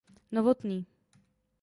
Novotný.